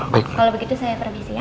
kalau begitu saya permisi ya